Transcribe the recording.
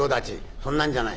「そんなんじゃない。